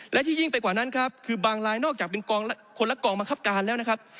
และที่ยิ่งไปกว่านั้นครับคือบางรายนอกจากเป็นกองคนละกองบังคับการแล้วนะครับ